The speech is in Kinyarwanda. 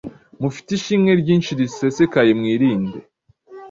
mufite ishimwe ryinshi risesekaye. Mwirinde